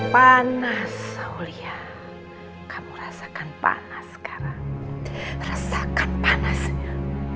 panas saul ya kamu rasakan panas sekarang rasakan panasnya